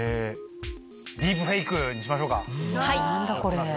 ディープフェイクにしましょなんだこれ。